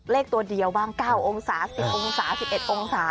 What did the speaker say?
ตัวเดียวบ้าง๙องศา๑๐องศา๑๑องศา